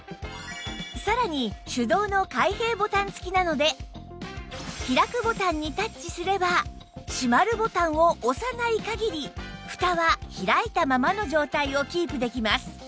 さらに手動の開閉ボタン付きなので開くボタンにタッチすれば閉まるボタンを押さない限りフタは開いたままの状態をキープできます